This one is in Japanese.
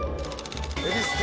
恵比寿亭。